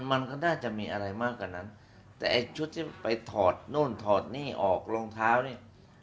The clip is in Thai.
มันก็น่าจะมีอะไรมากกว่านั้นแต่ไอ้ชุดที่ไปถอดโน่นถอดนี่ออกรองเท้านี่